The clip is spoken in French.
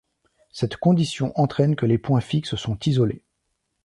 Cette condition entraîne que les points fixes sont isolés.